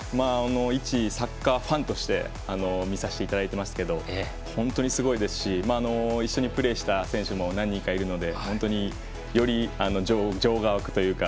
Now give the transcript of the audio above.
１人のサッカーファンとして見させていただいていますが本当にすごいですし一緒にプレーした選手も何人かいるのでより情が沸くというか。